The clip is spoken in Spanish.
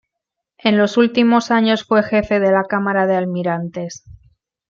En los últimos años fue jefe de la Cámara de Almirantes.